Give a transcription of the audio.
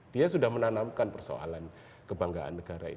dia sudah menanamkan persoalan kebanggaan negara itu